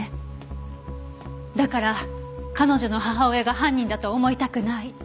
だから彼女の母親が犯人だと思いたくない。